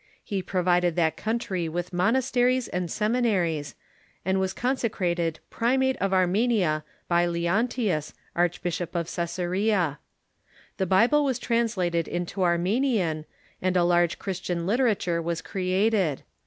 He provided that country with monasteries and sem inaries, and was consecrated Primate of Armenia bj^ Leontius, Archbishop of Coesarea. The Bible was translated into Arme nian, and a large Christian literature was created.